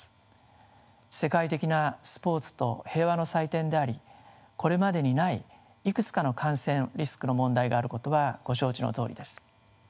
世界的なスポーツと平和の祭典でありこれまでにないいくつかの感染リスクの問題があることはご承知のとおりです。